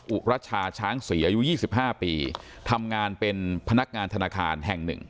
อุรชาช้างศรีอายุ๒๕ปีทำงานเป็นพนักงานธนาคารแห่งหนึ่ง